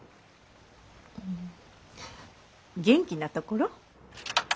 ん元気なところ？